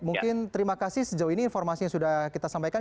mungkin terima kasih sejauh ini informasi yang sudah kita sampaikan